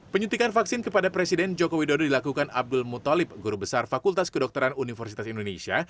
penyuntikan vaksin kepada presiden joko widodo dilakukan abdul mutalib guru besar fakultas kedokteran universitas indonesia